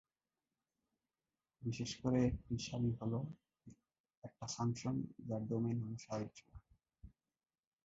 বিশেষ করে, একটি সারি হল একটা ফাংশন যার ডোমেইন হল স্বাভাবিক সংখ্যা।